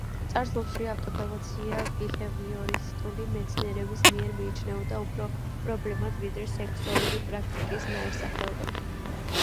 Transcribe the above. წარსულში ავტოფელაცია ბიჰევიორისტული მეცნიერების მიერ მიიჩნეოდა უფრო პრობლემად, ვიდრე სექსუალური პრაქტიკის ნაირსახეობად.